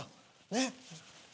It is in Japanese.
ねっ？